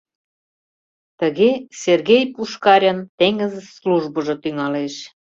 Тыге Сергей Пушкарьын теҥыз службыжо тӱҥалеш.